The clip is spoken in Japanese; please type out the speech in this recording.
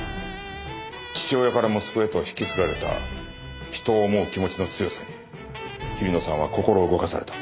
父親から息子へと引き継がれた人を思う気持ちの強さに日比野さんは心を動かされた。